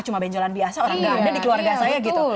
cuma benjolan biasa orang tidak ada di keluarga saya gitu